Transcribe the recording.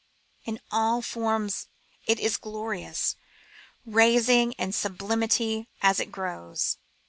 In all forms it is glorious, rising in sublimity as it grows.